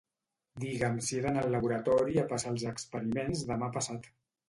Digue'm si he d'anar al laboratori a passar els experiments demà passat.